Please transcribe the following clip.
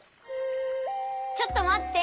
ちょっとまって！